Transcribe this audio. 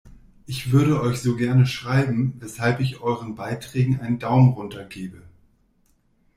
Ich würde euch so gerne schreiben, weshalb ich euren Beiträgen einen Daumen runter gebe!